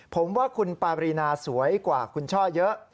ผมว่าคุณปารีนาสวยกว่าคุณช่อเยอะ